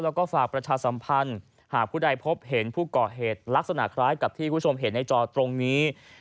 แล้วก็ฝากประชาสัมพันธ์หากผู้ใดพบเห็นผู้ก่อเหตุลักษณะคล้ายกับที่คุณผู้ชมเห็นในจอตรงนี้